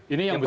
ini yang besar